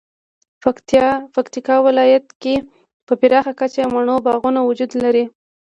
پکتیکا ولایت کې په پراخه کچه مڼو باغونه وجود لري